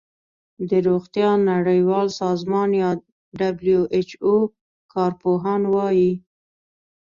د روغتیا نړیوال سازمان یا ډبلیو ایچ او کار پوهان وايي